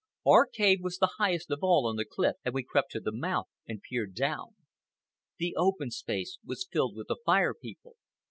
Our cave was the highest of all on the cliff, and we crept to the mouth and peered down. The open space was filled with the Fire People.